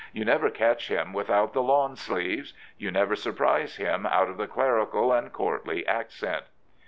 You never catch him without the lawn sleeves. You never surprise him out of the clerical and courtly accent.